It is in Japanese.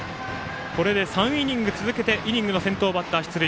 これで３イニング続けてイニングの先頭バッター出塁。